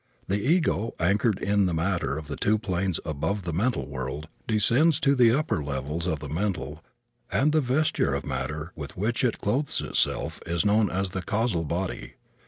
The ego, anchored in the matter of the two planes above the mental world, descends to the upper levels of the mental and the vesture of matter with which it clothes itself is known as the causal body.